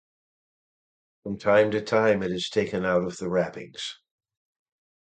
From time to time it is taken out of the wrappings.